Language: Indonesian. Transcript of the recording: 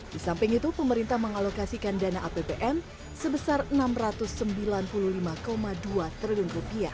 di samping itu pemerintah mengalokasikan dana apbn sebesar rp enam ratus sembilan puluh lima dua triliun